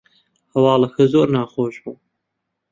هەواڵەکە زۆر ناخۆش بوو